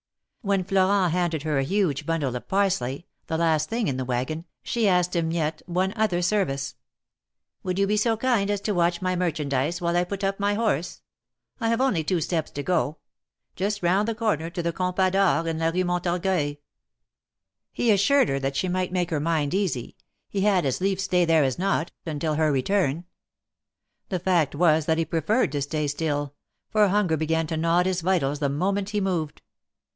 When Florent handed her a huge bundle of parsley, the last thing in the wagon, she asked him yet one other service. ''Would you be so kind as to watch my merchandise while I put up my horse ? I have only two steps to go — just round the corner to the Compas d'Or in la Rue Mon torgueil.'^ He assured her that she might make her mind easy — he had as lief stay there as not, until her return. The fact was that he preferred to stay still — for hunger began to gnaw at his vitals the moment he moved.